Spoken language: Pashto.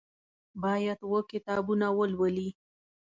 باید اووه کتابونه ولولي.